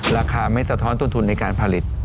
ราคาไม่สะท้อนต้นทุนในการผลิต